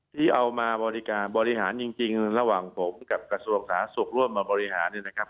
ที่เอามาบริการบริหารจริงระหว่างผมกับกระทรวงสาธารณสุขร่วมมาบริหารเนี่ยนะครับ